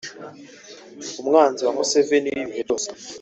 umwanzi wa Museveni w’ibihe byose